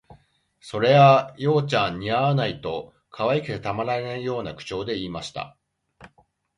「それあ、葉ちゃん、似合わない」と、可愛くてたまらないような口調で言いました